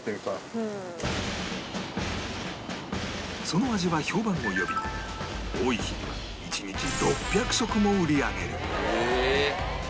その味は評判を呼び多い日には一日６００食も売り上げる！